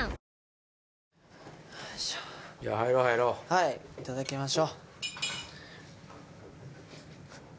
はいいただきましょう。